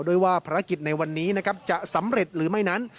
ด้วยว่าภารกิจในวันนี้นะครับจะสำเร็จหรือไม่นั้น